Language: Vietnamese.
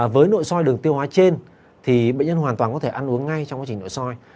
với nội soi đường tiêu hóa trên thì bệnh nhân hoàn toàn có thể ăn uống ngay trong quá trình nội soi